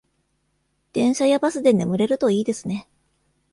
電車やバスで眠れるといいですね